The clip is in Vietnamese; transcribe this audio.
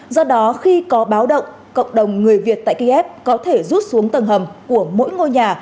do đó khi có báo động cộng đồng người việt tại kiev có thể rút xuống tầng hầm của mỗi ngôi nhà